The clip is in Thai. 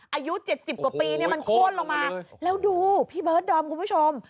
อายุ๗๐กว่าปีเนี่ยมันโค้นลงมาแล้วดูพี่เบิร์ดดอมคุณผู้ชม